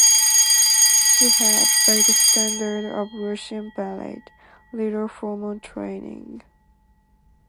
She had, by the standard of Russian ballet, little formal training.